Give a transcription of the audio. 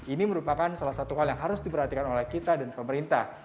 ini merupakan salah satu hal yang harus diperhatikan oleh kita dan pemerintah